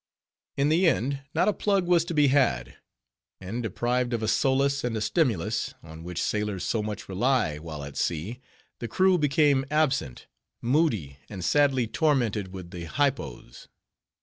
In the end not a plug was to be had; and deprived of a solace and a stimulus, on which sailors so much rely while at sea, the crew became absent, moody, and sadly tormented with the hypos.